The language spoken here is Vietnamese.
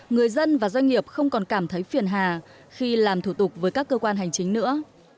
người dân và doanh nghiệp không còn cảm thấy phiền hà khi làm thủ tục với các cơ quan hành chính nữa